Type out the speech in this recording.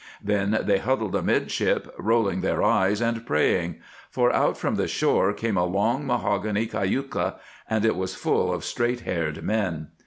Then they huddled amidship, rolling their eyes and praying; for out from the shore came a long mahogany cayuca, and it was full of straight haired men.